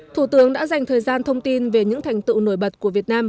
thủ tướng đã dành thời gian thông tin về những thành tựu nổi bật của việt nam